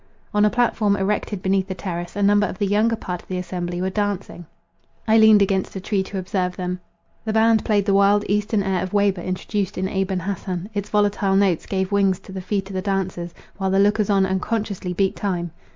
On a platform erected beneath the terrace, a number of the younger part of the assembly were dancing. I leaned against a tree to observe them. The band played the wild eastern air of Weber introduced in Abon Hassan; its volatile notes gave wings to the feet of the dancers, while the lookers on unconsciously beat time.